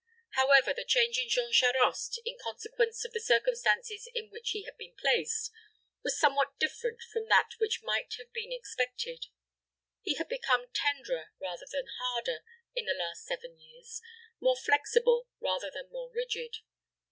However, the change in Jean Charost, in consequence of the circumstances in which he had been placed, was somewhat different from that which might have been expected. He had become tenderer rather than harder in the last seven years, more flexible rather than more rigid.